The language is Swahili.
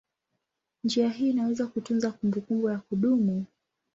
Njia hii inaweza kutunza kumbukumbu ya kudumu.